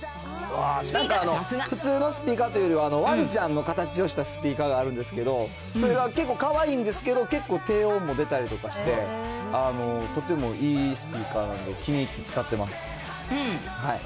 なんか普通のスピーカーというよりは、わんちゃんの形をしたスピーカーがあるんですけど、それが結構かわいいんですけど、結構、低音も出たりとかして、とてもいいスピーカーなんで、気に入って使ってます。